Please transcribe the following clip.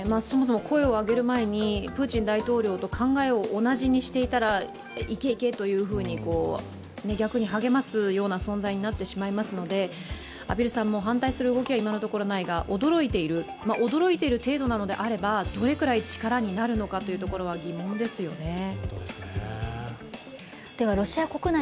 そもそも声を上げる前にプーチン大統領と考えを同じにしていたらいけいけというふうに、逆に励ますような存在になってしまいますので畔蒜さんも反対する動きは今のところないが驚いている程度であるならば、どれくらい力になるのかというところは疑問ですよね。